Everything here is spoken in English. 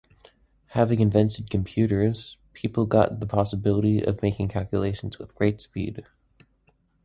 Having invented computers people got the possibility of making calculations with great speed.